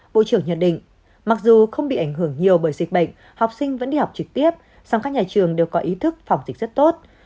bộ trưởng nhận định mặc dù không bị ảnh hưởng nhiều bởi dịch bệnh học sinh vẫn đi học trực tiếp song các nhà trường đều có ý thức phòng dịch rất tốt